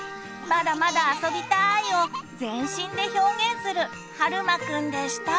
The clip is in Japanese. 「まだまだあそびたい」を全身で表現するはるまくんでした。